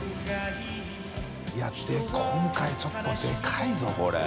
いや今回ちょっとでかいぞこれ。